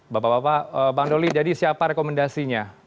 bapak bapak bang doli jadi siapa rekomendasinya